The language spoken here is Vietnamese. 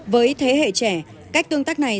với thế hệ trẻ cách tương tác này